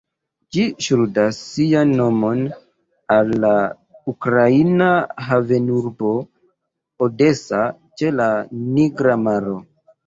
Ĝi ŝuldas sian nomon al la ukraina havenurbo Odesa ĉe la Nigra Maro.